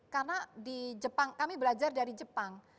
karena di jepang kami belajar dari jepang